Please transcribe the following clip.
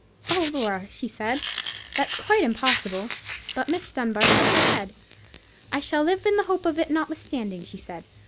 "Oh, Laura," she said, "that's quite impossible." But Miss Dunbar shook her head. "I shall live in the hope of it, notwithstanding," she said.